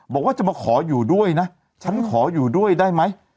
บอกว่าจะมาขออยู่ด้วยนะฉันขออยู่ด้วยได้ไหม